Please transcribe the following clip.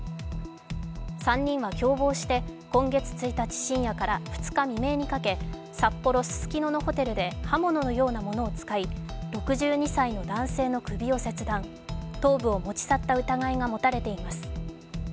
３人は共謀して今月１日深夜から２日未明にかけ札幌・ススキノのホテルで刃物のようなものを使い６２歳の男性の首を切断、頭部を持ち去った疑いが持たれています。